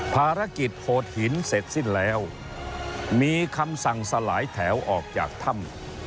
ภารกิจโหดหินเสร็จสิ้นแล้วมีคำสั่งสลายแถวออกจากถ้ำ